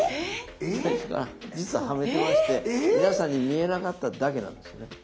実ははめてまして皆さんに見えなかっただけなんですよね。